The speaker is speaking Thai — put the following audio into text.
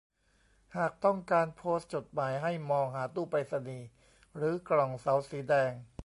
หากต้องการโพสต์จดหมายให้มองหาตู้ไปรษณีย์หรือกล่องเสาสีแดง